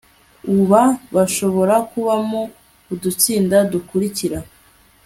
aba bashobora kubamo udutsinda dukurikira